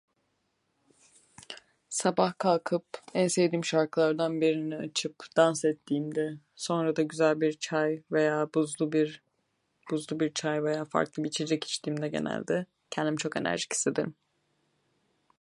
Sabah kalkıp en sevdiğim şarkılardan birini açıp dans ettiğimde, sonra da güzel bir çay veya buzlu bir buzlu bir çay veya farklı bir içecek içtiğimde genelde kendimi çok enerjik hissederim.